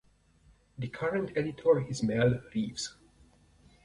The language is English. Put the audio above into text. The current editor is Mel Reeves.